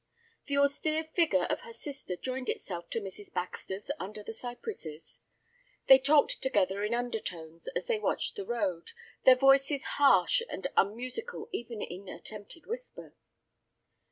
The austere figure of her sister joined itself to Mrs. Baxter's under the cypresses. They talked together in undertones as they watched the road, their voices harsh and unmusical even in an attempted whisper.